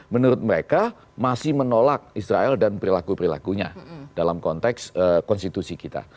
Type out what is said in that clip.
menurut mereka masih menolak israel dan perilaku perilakunya dalam konteks konstitusi kita